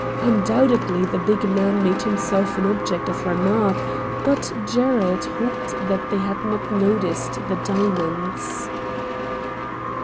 Undoubtedly the big man made himself an object of remark, but Gerald hoped that they had not noticed the diamonds.